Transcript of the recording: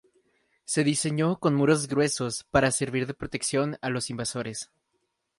Se diseñó con muros gruesos para servir de protección a los invasores.